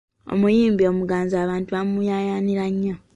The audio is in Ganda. Omuyimbi omuganzi abantu bamuyaayaanira nnyo.